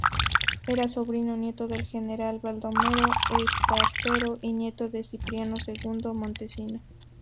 Era sobrino nieto del general Baldomero Espartero y nieto de Cipriano Segundo Montesino.